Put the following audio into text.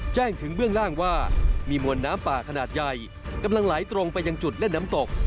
แจ้งถึงเบื้องล่างว่ามีมวลน้ำป่าขนาดใหญ่กำลังไหลตรงไปยังจุดเล่นน้ำตก